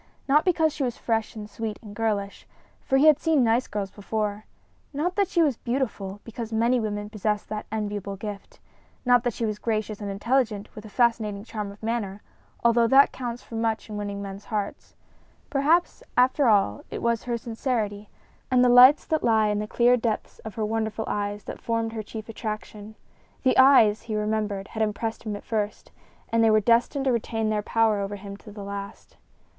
Not because she was fresh and sweet and girlish, for he had seen nice girls before; not that she was beautiful, because many women possess that enviable gift; not that she was gracious and intelligent, with a fascinating charm of manner, although that counts for much in winning men's hearts. Perhaps, after all, it was her sincerity and the lights that lay in the clear depths of her wonderful eyes that formed her chief attraction. The eyes, he remembered, had impressed him at first, and they were destined to retain their power over him to the last.